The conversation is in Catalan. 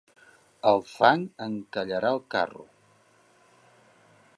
El fang encallarà el carro.